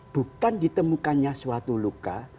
bukan ditemukannya suatu luka